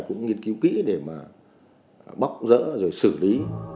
cũng nghiên cứu kỹ để mà bóc rỡ rồi xử lý